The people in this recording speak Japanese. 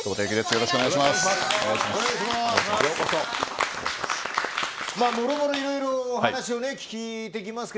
よろしくお願いします。